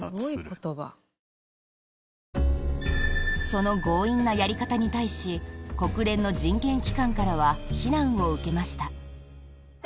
その強引なやり方に対し国連の人権機関からは非難を受けました。